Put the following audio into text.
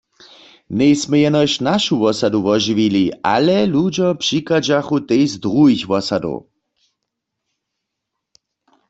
Njejsmy jenož našu wosadu wožiwili, ale ludźo přichadźachu tež z druhich wosadow.